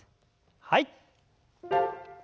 はい。